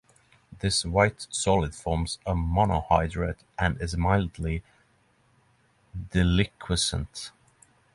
This white solid forms a monohydrate and is mildly deliquescent.